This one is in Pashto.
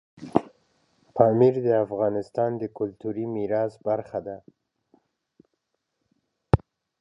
پامیر د افغانستان د کلتوري میراث برخه ده.